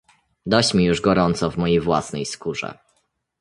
"Dość mi już gorąco w mojej własnej skórze."